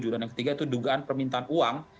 dan yang ketiga itu dugaan permintaan uang